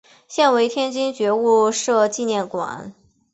现为天津觉悟社纪念馆。